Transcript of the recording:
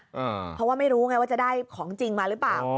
เพราะว่าไม่รู้ไงว่าจะได้ของจริงมาหรือเปล่า